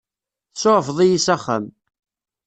Tsuɛfeḍ-iyi s axxam.